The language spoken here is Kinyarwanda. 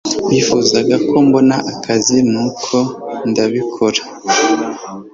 Wifuzaga ko mbona akazi, nuko ndabikora